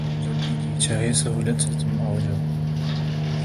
جب بھی جی چاہے سہولت سے تُم آؤ جاؤ